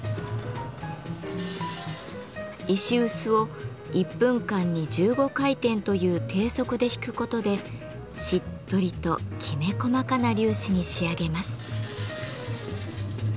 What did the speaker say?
石うすを１分間に１５回転という低速で挽くことでしっとりときめ細かな粒子に仕上げます。